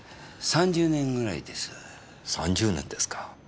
３０年ですか。